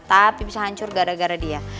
tapi bisa hancur gara gara dia